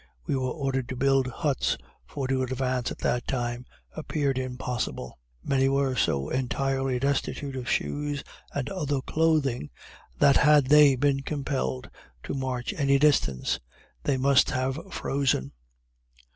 We were ordered to build huts, for to advance at that time appeared impossible. Many were so entirely destitute of shoes and other clothing, that had they been compelled to march any distance they must have frozen.